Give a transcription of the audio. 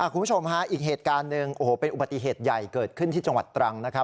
คุณผู้ชมฮะอีกเหตุการณ์หนึ่งโอ้โหเป็นอุบัติเหตุใหญ่เกิดขึ้นที่จังหวัดตรังนะครับ